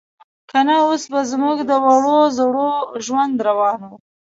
که نه اوس به زموږ د وړو زړو ژوند روان و.